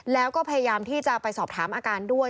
แล้วก็พยายามที่จะไปสอบถามอาการด้วย